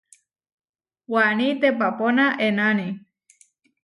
Waní teʼpapóna enáni.